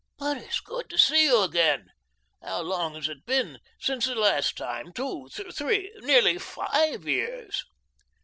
But it's good to see you again. How long has it been since the last time? Two, three, nearly five years."